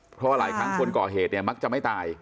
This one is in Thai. เพราะว่าหลายครั้งคนก่อเหตุเนี่ยมักจะไม่ตาย